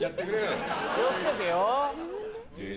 気を付けてよ。